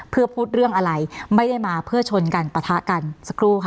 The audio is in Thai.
เพื่อพูดเรื่องอะไรไม่ได้มาเพื่อชนกันปะทะกันสักครู่ค่ะ